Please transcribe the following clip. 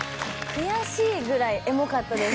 悔しいぐらいエモかったです。